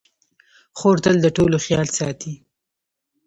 خور تل د ټولو خیال ساتي.